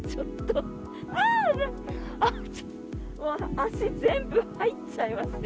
足全部入っちゃいますね。